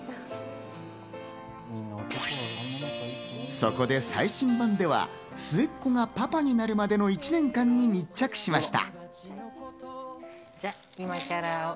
そこで最新版では末っ子がパパになるまでの１年間に密着しました。